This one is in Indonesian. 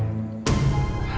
tidak jangan liat